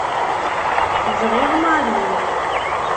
Bɣiɣ Mary.